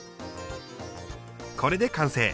これで完成。